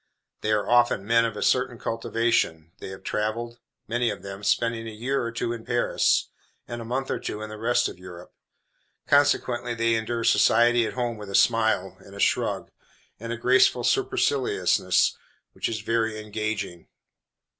They are often men of a certain cultivation. They have traveled, many of them spending a year or two in Paris, and a month or two in the rest of Europe. Consequently they endure society at home, with a smile, and a shrug, and a graceful superciliousness, which is very engaging.